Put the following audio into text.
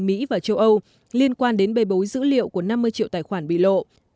mỹ và châu âu liên quan đến bê bối dữ liệu của năm mươi triệu tài khoản bị lộ